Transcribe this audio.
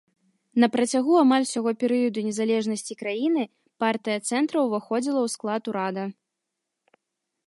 На працягу амаль усяго перыяду незалежнасці краіны партыя цэнтра ўваходзіла ў склад урада.